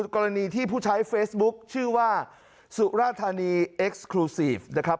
กรณีที่ผู้ใช้เฟซบุ๊คชื่อว่าสุราธานีเอ็กซ์ครูซีฟนะครับ